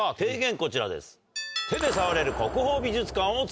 こちらです。